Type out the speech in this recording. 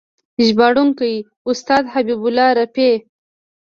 ژباړونکی: استاد حبیب الله رفیع